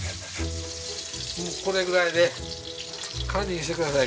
これぐらいで堪忍してください。